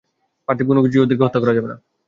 পার্থিব কোনোকিছু দিয়ে ওদেরকে হত্যা করা হয়নি।